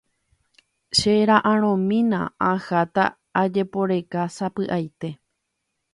Chera'ãrõmína aháta ajeporeka sapy'aite